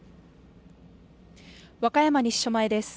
和歌山西署前です。